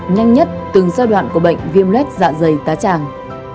nhanh nhất từng giai đoạn của bệnh viêm lết dạ dày tá tràng